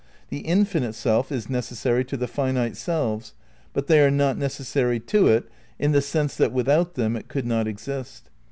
The infinite Self is neces sary to the finite selves, but they are not necessary to it in the sense that without them it could not exist.